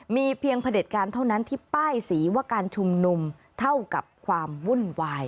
มีเพียงพระเด็จการเท่านั้นที่ป้ายสีว่าการชุมนุมเท่ากับความวุ่นวาย